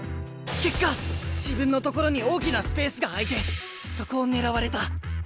結果自分の所に大きなスペースが空いてそこを狙われた。